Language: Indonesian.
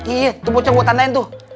iya itu bocah gue tandain tuh